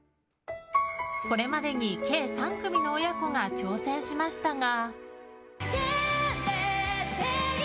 これまでに計３組の親子が挑戦しましたが。